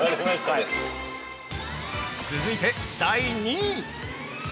◆続いて、第２位。